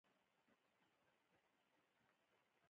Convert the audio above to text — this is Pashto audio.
غرمه د انساني ژوند وقفه ده